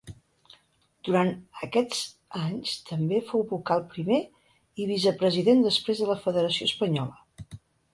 Durant aquests anys també fou vocal primer i vicepresident després de la Federació Espanyola.